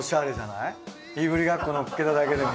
いぶりがっこのっけただけでも。